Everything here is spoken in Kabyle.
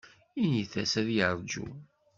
Int-as ad yerju